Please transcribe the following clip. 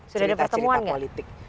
sudah ada pertemuan gak